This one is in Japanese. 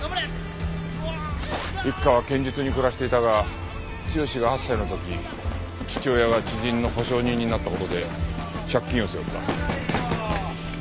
一家は堅実に暮らしていたが剛が８歳の時父親が知人の保証人になった事で借金を背負った。